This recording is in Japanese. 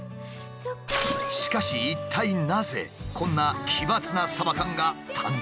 しかし一体なぜこんな奇抜なサバ缶が誕生したのか？